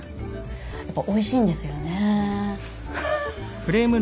やっぱおいしいんですよね。